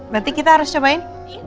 berarti kita harus cobain